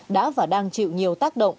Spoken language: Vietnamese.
đã và đang chịu nhiều tác động